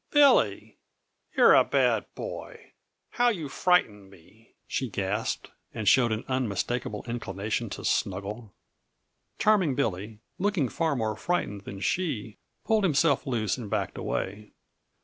"Billy! You're a bad boy; how you frightened me!" she gasped, and showed an unmistakable inclination to snuggle. Charming Billy, looking far more frightened than she, pulled himself loose and backed away.